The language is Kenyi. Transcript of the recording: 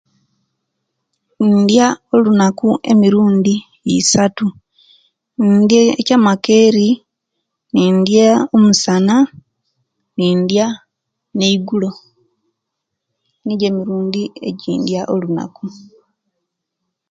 Indya olunaku emirundi isatu, indya ekyamakeri, ne'ndya omusana, ni'dya eigulo; nijo emirundi ejendia olunaku.